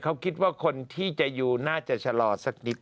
เขาคิดว่าคนที่จะอยู่น่าจะชะลอสักนิด